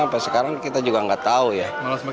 sampai sekarang kita juga nggak tahu ya